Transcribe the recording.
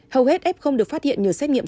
hầu hết f được phát hiện nhờ xét nghiệm